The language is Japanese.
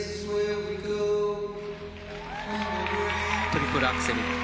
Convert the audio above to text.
トリプルアクセル。